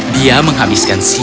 dia menghabiskan petinya